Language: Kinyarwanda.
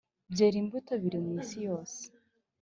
byera imbuto biri mu isi yose